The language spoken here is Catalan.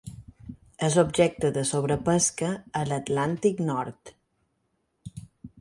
És objecte de sobrepesca a l'Atlàntic nord.